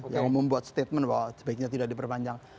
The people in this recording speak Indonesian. yang membuat statement bahwa sebaiknya tidak diperpanjang